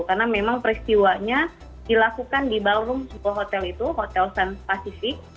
karena memang peristiwanya dilakukan di ballroom hotel itu hotel san pasifik